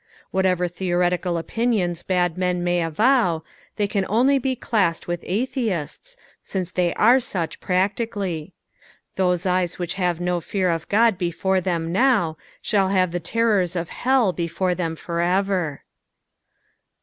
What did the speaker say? Whatever theoretical opinions had men may avow, tliey can only he classed with atheists, since they aie such practically. Those eyes which have no fear of God before them now, abail have the terrors of hell before them for ever.